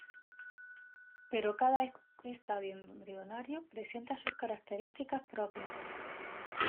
Pero cada estadio embrionario presenta sus características propias.